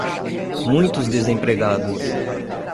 muitos desempregados